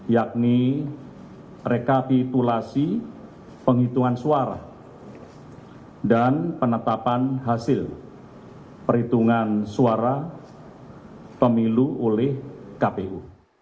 yakni rekapitulasi penghitungan suara dan penetapan hasil perhitungan suara pemilu oleh kpu